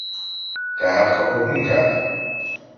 Tehát kapok munkát?